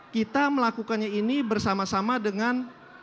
kita melakukannya ini bersama sama dengan